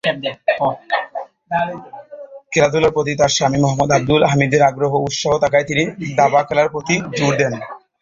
খেলাধুলার প্রতি তার স্বামী মোহাম্মাদ আব্দুল হামিদের আগ্রহ ও উৎসাহ থাকায় তিনি দাবা খেলার প্রতি জোর দেন।